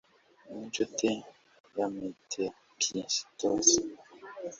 Nkinshuti ya metempsychose